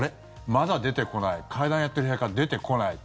まだ出てこない会談やってる部屋から出てこない